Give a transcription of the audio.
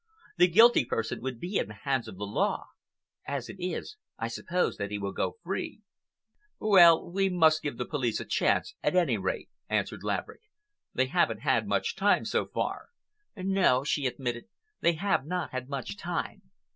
The guilty person would be in the hands of the law. As it is, I suppose that he will go free." "Well, we must give the police a chance, at any rate," answered Laverick. "They haven't had much time so far." "No," she admitted, "they have not had much time.